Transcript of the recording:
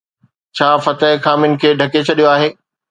ڇا فتح خامين کي ڍڪي ڇڏيو آهي؟